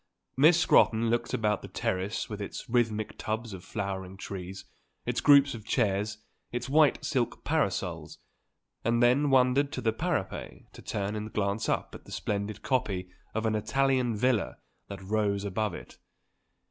Miss Scrotton looked about the terrace with its rhythmic tubs of flowering trees, its groups of chairs, its white silk parasols, and then wandered to the parapet to turn and glance up at the splendid copy of an Italian villa that rose above it.